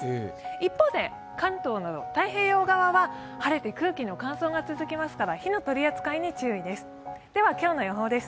一方で、関東の太平洋側は晴れて空気の乾燥が続きますから火の取り扱いに注意です。